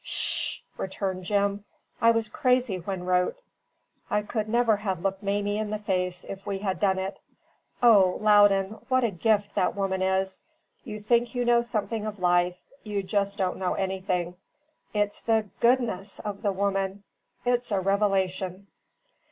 "Ssh!" returned Jim. "I was crazy when wrote. I could never have looked Mamie in the face if we had done it. O, Loudon, what a gift that woman is! You think you know something of life: you just don't know anything. It's the GOODNESS of the woman, it's a revelation!"